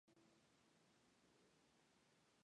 Los demás siguen el estilo de Cano, directa o indirectamente.